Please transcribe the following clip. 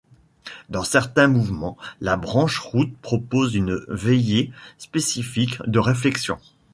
Dans certains mouvements, la branche route propose une veillée spécifique de réflexion.